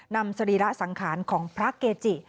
สรีระสังขารของพระเกจิ